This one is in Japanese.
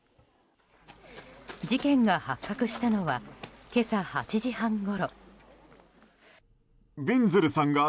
事件が発覚したのは今朝８時半ごろ。